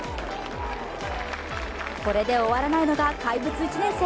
これで終わらないのが怪物１年生。